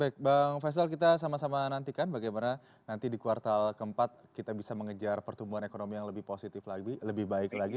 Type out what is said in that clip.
baik baik bang faisal kita sama sama nantikan bagaimana nanti di kuartal keempat kita bisa mengejar pertumbuhan ekonomi yang lebih positif lagi lebih baik lagi